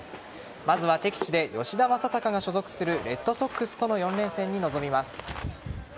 まずは敵地で吉田正尚が所属するレッドソックスとの４連戦に臨みます。